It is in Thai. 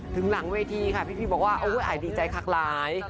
ถึงหลังเวทีค่ะพี่พีบอกว่าอุ้ยอายที่ใจคักหลาย